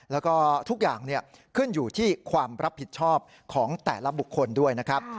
แล้วก็ทุกอย่างขึ้นอยู่ที่ความรับผิดชอบของแต่ละบุคคลด้วยนะครับ